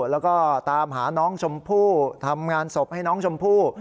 แล้วก็ตามหาน้องชมพู่ทำงานศพให้น้องชมพู่